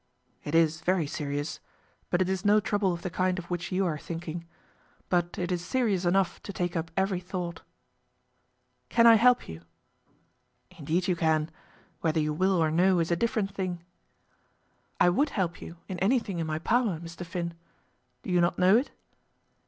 "It is very serious, but it is no trouble of the kind of which you are thinking. But it is serious enough to take up every thought." "Can I help you?" "Indeed you can. Whether you will or no is a different thing." "I would help you in anything in my power, Mr. Finn. Do you not know it?"